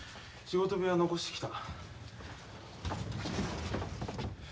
仕事部屋に残してきた。